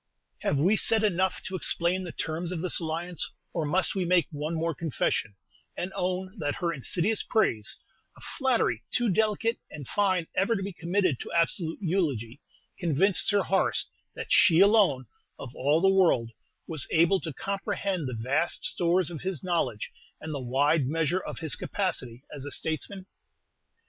Have we said enough to explain the terms of this alliance, or must we make one more confession, and own that her insidious praise a flattery too delicate and fine ever to be committed to absolute eulogy convinced Sir Horace that she alone, of all the world, was able to comprehend the vast stores of his knowledge, and the wide measure of his capacity as a statesman?